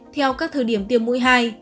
theo các thời điểm tiêm mũi hai